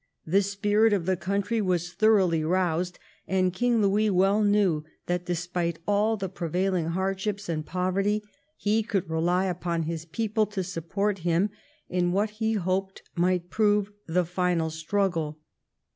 The spirit of the country was thoroughly roused, and King Louis well knew that, despite aU the prevailing hardships and poverty, he could rely upon his people to support him in what he hoped might prove the final struggle.